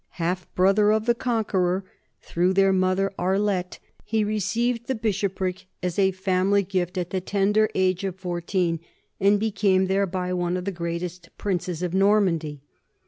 Half brother of the Conqueror through their mother Arlette, he received the bishopric as a fam ily gift at the tender age of fourteen and became thereby one of the greatest princes of Normandy.